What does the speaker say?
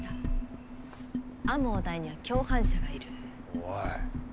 おい。